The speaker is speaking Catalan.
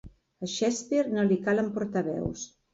A Shakespeare no li calen portaveus.